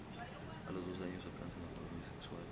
A los dos años alcanza la madurez sexual.